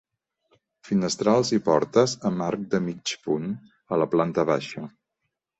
Finestrals i portes amb arc de mig punt a la planta baixa.